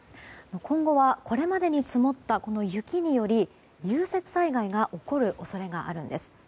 今後はこれまでに積もった雪により融雪災害が起こる恐れがあるんです。